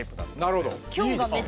なるほど。